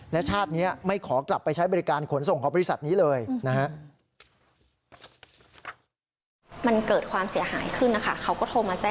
และชาตินี้ไม่ขอกลับไปใช้บริการขนส่งของบริษัทนี้เลยนะฮะ